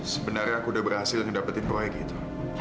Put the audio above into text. sebenarnya aku udah berhasil ngedapetin proyek itu